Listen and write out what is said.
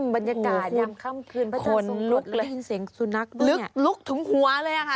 บรรยากาศอย่างค่ำคืนพระเจ้าทรงกรดลุกลุกทุกหัวเลยนะคะ